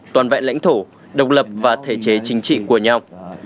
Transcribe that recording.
toàn vẹn lãnh thổ độc lập và thể chế chính trị của nhau